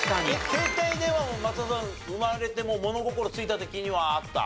携帯電話も松田さん生まれて物心ついた時にはあった？